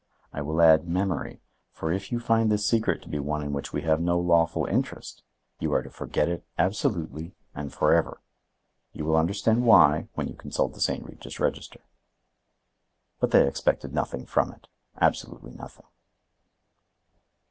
I will add memory, for if you find this secret to be one in which we have no lawful interest, you are to forget it absolutely and for ever. You will understand why when you consult the St Regis register." But they expected nothing from it; absolutely nothing.